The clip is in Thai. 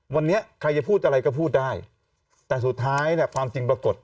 วันนี้ใครจะพูดอะไรก็พูดได้แต่สุดท้ายเนี่ยความจริงปรากฏ